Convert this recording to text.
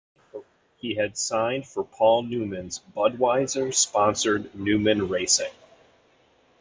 He had signed for Paul Newman's Budweiser sponsored Newman Racing.